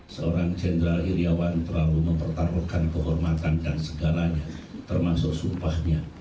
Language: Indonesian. seorang jenderal iryawan terlalu mempertaruhkan kehormatan dan segalanya termasuk sumpahnya